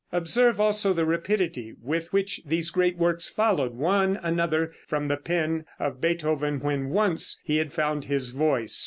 Observe also the rapidity with which these great works followed one another from the pen of Beethoven, when once he had found his voice.